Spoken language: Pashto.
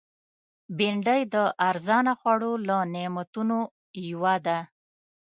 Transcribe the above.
بېنډۍ د ارزانه خوړو له نعمتونو یوه ده